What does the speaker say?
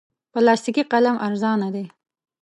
پلاستیکي قلم ارزانه دی.